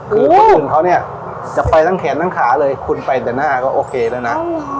คือคนอื่นเขาเนี่ยจะไปทั้งแขนทั้งขาเลยคุณไปแต่หน้าก็โอเคแล้วนะ